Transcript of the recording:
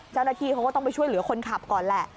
เจ้าหน้าที่เขาก็ต้องไปช่วยเหลือคนขับก่อนแหละ